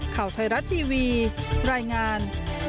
ข่าวไทยรัฐทีวีรายงาน